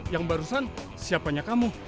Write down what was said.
yang barusan siapanya kamu